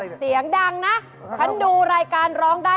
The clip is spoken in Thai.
เสียงดังนะฉันดูรายการร้องได้